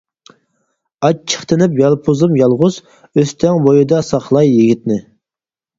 ئاچچىق تىنىپ يالپۇزۇم يالغۇز، ئۆستەڭ بۇيىدا ساقلاي يىگىتنى.